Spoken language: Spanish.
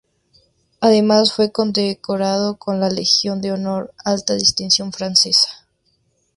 Además, fue condecorado con la Legión de Honor, alta distinción francesa.